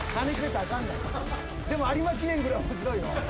でも有馬記念ぐらい面白いよ。